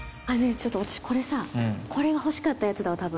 ちょっと私これさこれが欲しかったやつだわ多分。